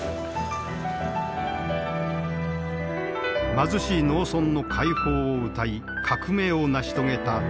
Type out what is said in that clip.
貧しい農村の解放をうたい革命を成し遂げた中国共産党。